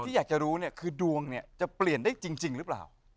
อยากจะรู้เนี่ยคือดวงเนี่ยจะเปลี่ยนได้จริงหรือเปล่า